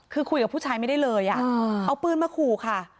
คือคุยกับผู้ชายไม่ได้เลยเอาปืนมาขู่ค่ะ